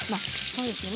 そうですね。